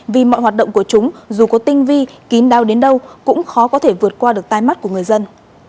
vì mọi hoạt động của chúng dù có tinh vi kín đau đến đâu cũng khó có thể vượt qua được tai mắt của người dân